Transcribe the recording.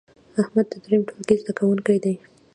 احمد د دریم ټولګې زده کوونکی دی.